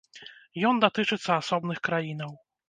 Ён датычыцца асобных краінаў.